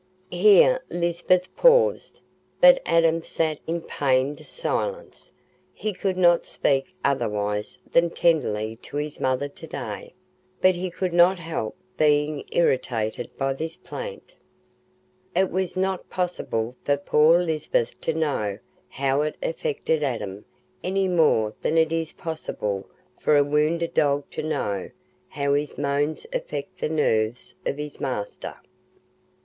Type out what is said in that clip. Here Lisbeth paused, but Adam sat in pained silence—he could not speak otherwise than tenderly to his mother to day, but he could not help being irritated by this plaint. It was not possible for poor Lisbeth to know how it affected Adam any more than it is possible for a wounded dog to know how his moans affect the nerves of his master.